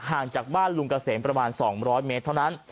ห่างจากบ้านลุงเกษมประมาณ๒๐๐เมตรเท่านั้น